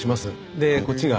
でこっちが。